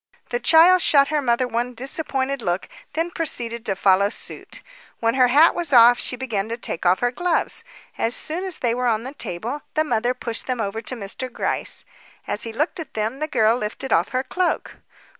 The child shot her mother one disappointed look, then proceeded to follow suit. When her hat was off, she began to take off her gloves. As soon as they were on the table, the mother pushed them over to Mr. Gryce. As he looked at them, the girl lifted off her cloak.